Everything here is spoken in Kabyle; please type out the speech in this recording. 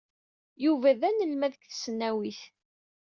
Yuba d anelmad deg tesnawit.